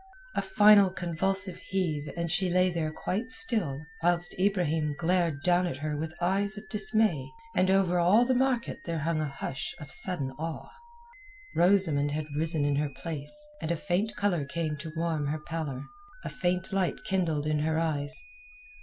A final convulsive heave and she lay there quite still, whilst Ibrahim glared down at her with eyes of dismay, and over all the market there hung a hush of sudden awe. Rosamund had risen in her place, and a faint colour came to warm her pallor, a faint light kindled in her eyes.